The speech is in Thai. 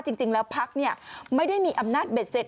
จริงแล้วพักไม่ได้มีอำนาจเบ็ดเสร็จ